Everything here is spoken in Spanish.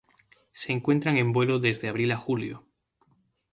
Se encuentran en vuelo desde abril a julio.